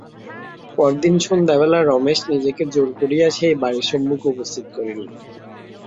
পরদিন সন্ধ্যাবেলা রমেশ নিজেকে জোর করিয়া সেই বাড়ির সম্মুখে উপস্থিত করিল।